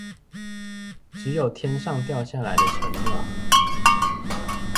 只有天上掉下來的承諾